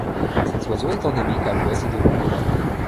Cet oiseau est endémique à l'ouest de l'Angola.